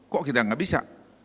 kok kita enggak bisa